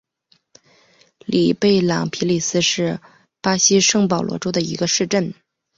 里贝朗皮里斯是巴西圣保罗州的一个市镇。